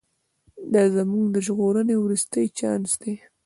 دا زموږ د ژغورنې وروستی چانس دی.